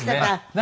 何？